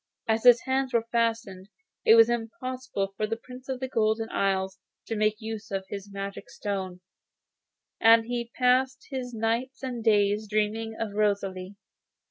As his hands were fastened, it was impossible for the Prince of the Golden Isle to make use of his magic stone, and he passed his nights and days dreaming of Rosalie.